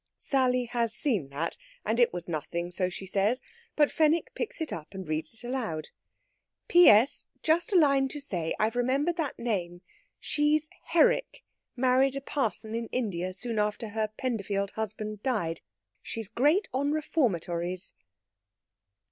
Sally has seen that, and it was nothing so she says; but Fenwick picks it up and reads it aloud: "P.S. Just a line to say I've remembered that name. She's Herrick married a parson in India soon after her Penderfield husband died. She's great on reformatories."